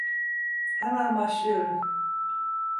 Hemen başlıyorum.